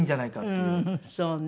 そうね。